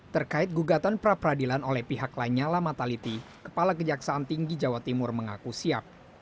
terkait gugatan pra peradilan oleh pihak lanyala mataliti kepala kejaksaan tinggi jawa timur mengaku siap